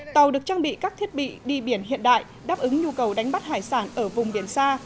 tàu được trang bị các thiết bị đi biển hiện đại đáp ứng nhu cầu đánh bắt hải sản ở vùng biển xa